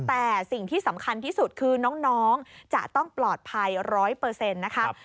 แต่สิ่งที่สำคัญที่สุดคือน้องจะต้องปลอดภัยร้อยเปอร์เซ็นต์นะคะ